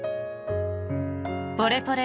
ポレポレ